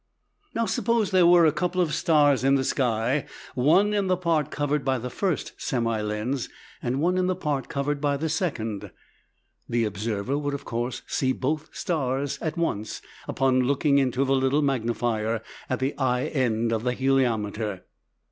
Now, suppose there were a couple of stars in the sky, one in the part covered by the first semi lens, and one in the part covered by the second. The observer would, of course, see both stars at once upon looking into the little magnifier at the eye end of the heliometer.